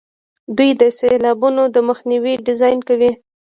دوی د سیلابونو د مخنیوي ډیزاین کوي.